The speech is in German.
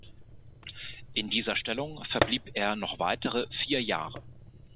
In dieser Stellung verblieb er noch weitere vier Jahre.